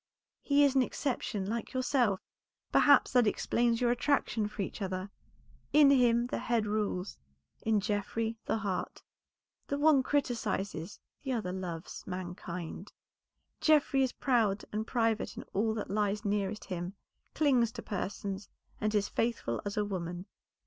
He is an exception like yourself; perhaps that explains your attraction for each other. In him the head rules, in Geoffrey the heart. The one criticises, the other loves mankind. Geoffrey is proud and private in all that lies nearest him, clings to persons, and is faithful as a woman.